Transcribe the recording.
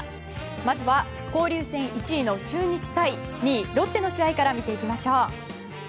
まずは交流戦１位の中日対２位ロッテの試合から見ていきましょう。